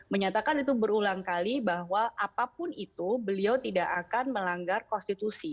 menyatakan itu berulang kali bahwa apapun itu beliau tidak akan melanggar konstitusi